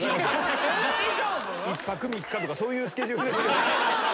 １泊３日とかそういうスケジュールです。